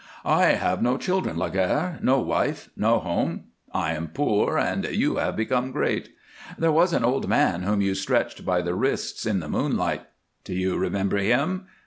"I have no children, Laguerre; no wife; no home! I am poor and you have become great. There was an old man whom you stretched by the wrists, in the moonlight. Do you remember him?